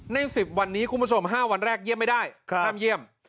๑๐วันนี้คุณผู้ชม๕วันแรกเยี่ยมไม่ได้ห้ามเยี่ยม